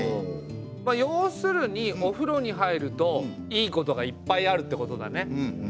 要するにお風呂に入るといいことがいっぱいあるってことだね。